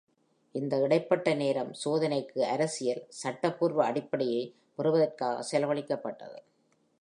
இந்த இடைப்பட்ட நேரம் சோதனைக்கு அரசியல், சட்டபூர்வ அடிப்படையை பெறுவதற்காக செலவழிக்கப்பட்டது.